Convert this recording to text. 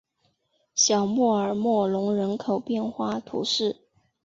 小穆尔默隆人口变化图示